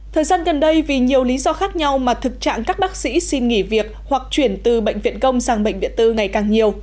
thời gian gần đây vì nhiều lý do khác nhau mà thực trạng các bác sĩ xin nghỉ việc hoặc chuyển từ bệnh viện công sang bệnh viện tư ngày càng nhiều